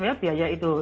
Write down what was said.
biasanya biaya itu